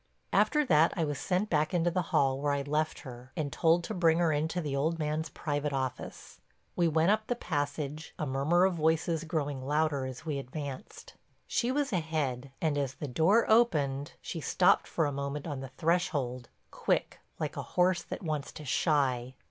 After that I was sent back into the hall where I'd left her and told to bring her into the old man's private office. We went up the passage, a murmur of voices growing louder as we advanced. She was ahead and, as the door opened, she stopped for a moment on the threshold, quick, like a horse that wants to shy.